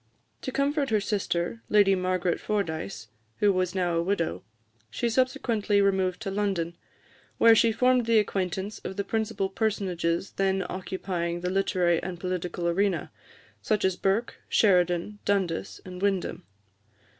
To comfort her sister, Lady Margaret Fordyce, who was now a widow, she subsequently removed to London, where she formed the acquaintance of the principal personages then occupying the literary and political arena, such as Burke, Sheridan, Dundas, and Windham.